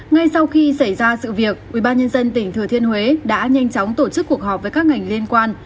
ngay sau khi xảy ra sự việc ubnd tỉnh thừa thiên huế đã nhanh chóng tổ chức cuộc họp với các ngành liên quan